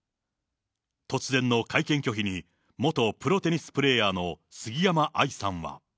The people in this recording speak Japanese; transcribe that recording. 突然の会見拒否に、元プロテニスプレーヤーの杉山愛さんは。